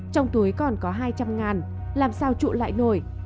trong túi còn có hai trăm linh làm sao trụ lại nổi